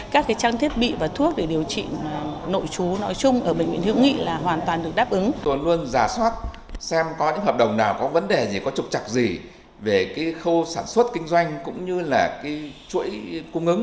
có những hợp đồng nào có vấn đề gì có trục trặc gì về cái khâu sản xuất kinh doanh cũng như là cái chuỗi cung ứng